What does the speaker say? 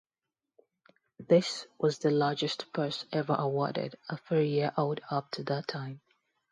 This was the largest purse ever awarded a three-year-old up to that time.